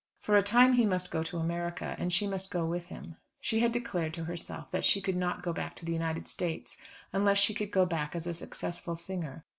For a time he must go to America, and she must go with him. She had declared to herself that she could not go back to the United States unless she could go back as a successful singer.